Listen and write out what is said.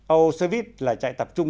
auschwitz là chạy tập trung